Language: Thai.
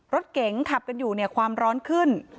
รถเก๋งขับกันอยู่เนี่ยความร้อนขึ้น